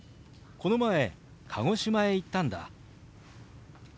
この前鹿児島へ行ったんだ。